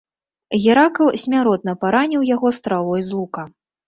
Геракл смяротна параніў яго стралой з лука.